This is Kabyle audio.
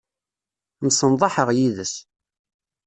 Ad msenḍaḥeɣ yid-s.